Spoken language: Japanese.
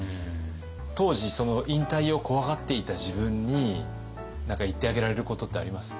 当時引退を怖がっていた自分に何か言ってあげられることってあります？